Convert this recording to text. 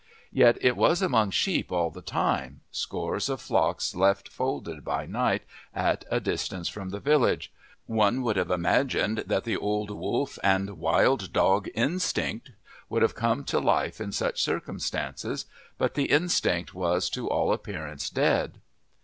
Yet it was among sheep all the time scores of flocks left folded by night at a distance from the village; one would have imagined that the old wolf and wild dog instinct would have come to life in such circumstances, but the instinct was to all appearance dead.